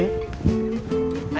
menerima laparan orang lain